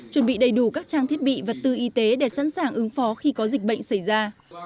chuẩn bị đầy đủ các trang thiết bị vật tư y tế để sẵn sàng ứng phó khi có dịch bệnh xảy ra